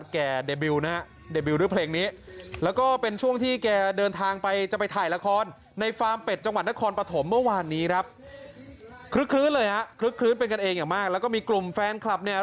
คลึกเป็นกันเองอย่างมากแล้วก็มีกลุ่มแฟนคลับเนี่ย